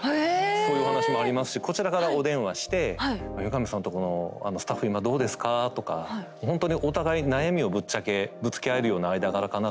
そういうお話もありますしこちらからお電話して「三上さんとこのあのスタッフ今どうですか？」とかほんとにお互い悩みをぶっちゃけぶつけ合えるような間柄かなと。